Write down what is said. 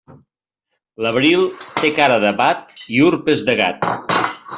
L'abril té cara d'abat i urpes de gat.